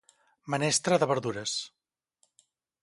Menestra de verdures